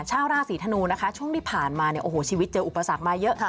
ชาวราศรีธนูช่วงที่ผ่านมาชีวิตเจออุปสรรคมาเยอะ